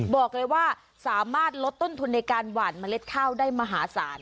บอกเลยว่าสามารถลดต้นทุนในการหวานเมล็ดข้าวได้มหาศาล